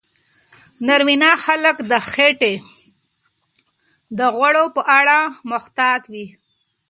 ناروینه خلک د خېټې د غوړو په اړه محتاط وي.